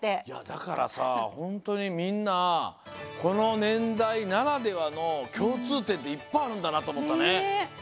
だからさほんとにみんなこのねんだいならではのきょうつうてんっていっぱいあるんだなとおもったね。